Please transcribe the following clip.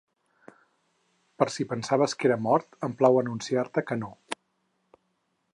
Per si pensaves que era mort, em plau anunciar-te que no!